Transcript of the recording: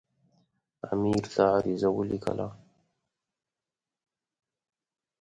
امیر ته عریضه ولیکله.